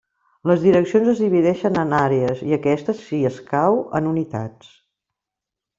Les direccions es divideixen en àrees, i aquestes, si escau, en unitats.